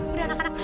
eh udah anak anak